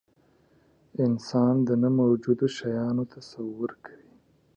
انسان د نه موجودو شیانو تصور کوي.